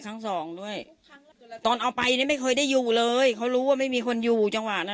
ยังยังบอกว่าจะทำไงดีปลานี้มันได้มานอนอยู่กับเขานะ